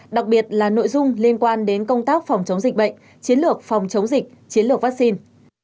đặc biệt là nội dung liên quan đến công tác phòng chống dịch bệnh chiến lược phòng chống dịch chiến lược vaccine